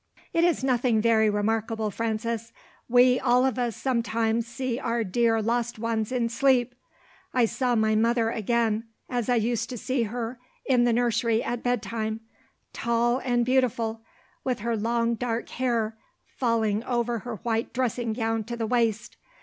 "It is nothing very remarkable, Frances. We all of us sometimes see our dear lost ones in sleep. I saw my mother again, as I used to see her in the nursery at bedtime tall and beautiful, with her long dark hair failing over her white dressing gown to the waist.